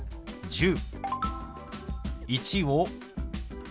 「１０」。